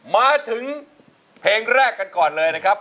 มาถึงเพลงแรกกันก่อนเลยนะครับ